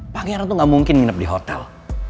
pangeran tuh gak mungkin nginep di hotel